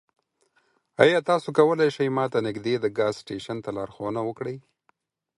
ایا تاسو کولی شئ ما ته نږدې د ګاز سټیشن ته لارښوونه وکړئ؟